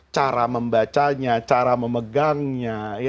cara membacanya cara memegangnya